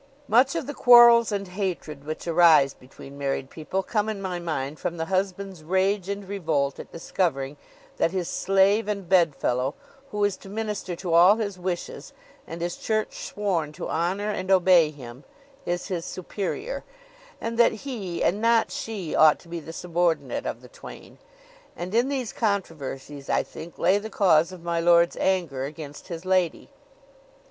Much of the quarrels and hatred which arise between married people come in my mind from the husband's rage and revolt at discovering that his slave and bedfellow, who is to minister to all his wishes, and is church sworn to honor and obey him is his superior; and that HE, and not she, ought to be the subordinate of the twain; and in these controversies, I think, lay the cause of my lord's anger against his lady.